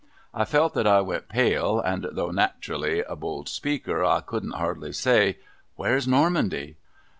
I felt that I went pale, and though nat'rally a bold speaker, I couldn't hardly say, ' Where's Normandy?